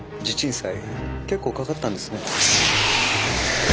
地鎮祭結構かかったんですね。